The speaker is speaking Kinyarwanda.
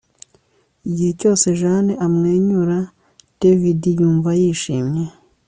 Igihe cyose Jane amwenyura David yumva yishimye